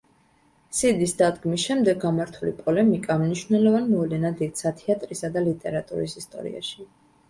სიდის დადგმის შემდეგ გამართული პოლემიკა მნიშვნელოვან მოვლენად იქცა თეატრისა და ლიტერატურის ისტორიაში.